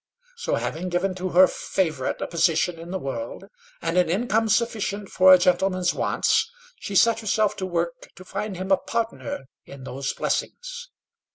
So, having given to her favourite a position in the world, and an income sufficient for a gentleman's wants, she set herself to work to find him a partner in those blessings.